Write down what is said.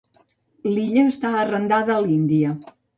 L'illa està arrendada a l'Índia.